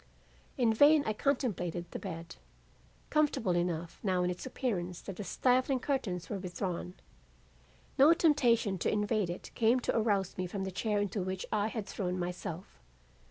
In vain I contemplated the bed, comfortable enough now in its appearance that the stifling curtains were withdrawn; no temptation to invade it came to arouse me from the chair into which I had thrown myself.